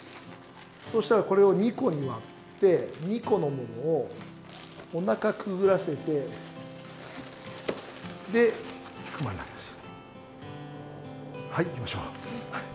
そうしたらこれを２個に割って、２個のものを、おなかくぐらせて、で、熊になります。